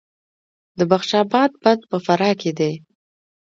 د بخش اباد بند په فراه کې دی